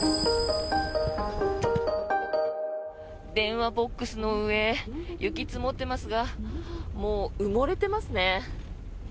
電話ボックスの上雪積もっていますがもう埋もれていますね。